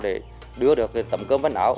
để đưa được tấm cơm văn áo